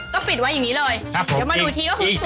ก็ปิดไว้อย่างนี้เลย